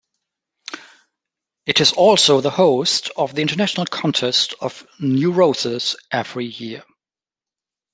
It is also the host of the International Contest of New Roses every year.